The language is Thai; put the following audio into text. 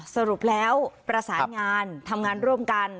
สรุปแล้วประสานงานทำงานร่วมกัน